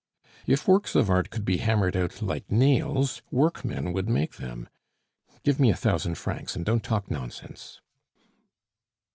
If works of art could be hammered out like nails, workmen would make them. Give me a thousand francs, and don't talk nonsense."